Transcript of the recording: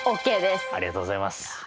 ありがとうございます。